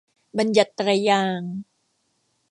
บัญญัติไตรยางศ์